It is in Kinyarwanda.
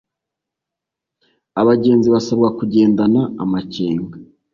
Abagenzi basabwa kugendana amakenga